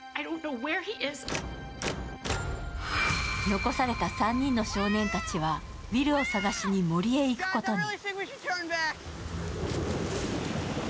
残された３人の少年たちはウィルを捜しに森へ行くことに。